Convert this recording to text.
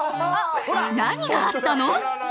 何があったの？